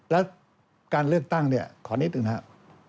และการเลือกตั้งขอนิดหนึ่งนะครับ